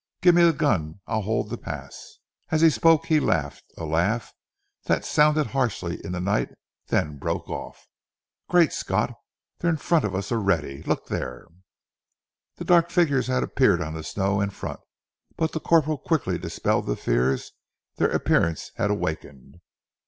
Give me the gun. I'll hold the pass." As he spoke he laughed a laugh that sounded harshly in the night, then broke off. "Great Scott! They're in front of us already! Look there!" The dark figures had appeared on the snow in front, but the corporal quickly dispelled the fears their appearance had awakened.